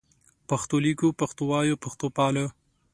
پښتو لیکو پښتو وایو پښتو پالو